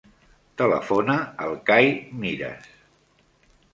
Telefona al Kai Miras.